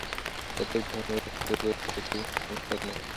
প্রত্যেকটি ধর্মমত একসূত্রে গ্রথিত এক একটি মুক্তার ন্যায়।